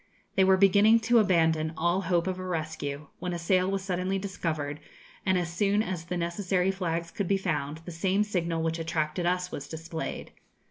They were beginning to abandon all hope of a rescue, when a sail was suddenly discovered; and as soon as the necessary flags could be found, the same signal which attracted us was displayed.